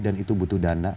dan itu butuh dana